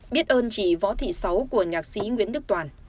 biết ơn chỉ võ thị xấu của nhạc sĩ nguyễn đức toàn